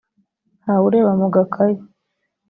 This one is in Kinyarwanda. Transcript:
nta wureba mu gakayi